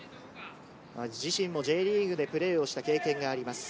自身もＪリーグでプレーをした経験があります。